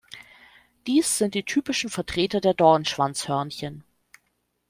Dies sind die typischen Vertreter der Dornschwanzhörnchen.